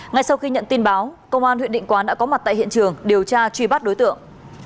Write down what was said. ngay sau khi nhận tin báo công an huyện định quán đã có mặt tại hiện trường điều tra truy bắt đối tượng